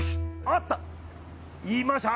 あった！